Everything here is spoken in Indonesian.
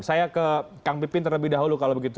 saya ke kang pipin terlebih dahulu kalau begitu